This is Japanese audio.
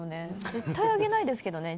絶対上げないですけどね。